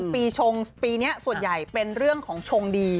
ปีชงปีนี้ส่วนใหญ่เป็นเรื่องของชงดี